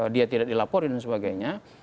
dia tidak dilaporin dan sebagainya